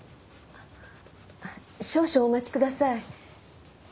少々お待ちください。